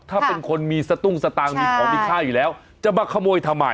ถ้าเป็นคนมีสตุ้งสตางค์มีของมีค่าอยู่แล้วจะมาขโมยทำไม